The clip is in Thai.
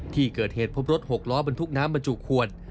ที่เกิดเหตุพบรถหกล้อบรรทุกน้ำบรรจุขวด